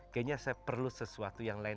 kayaknya saya perlu sesuatu yang lain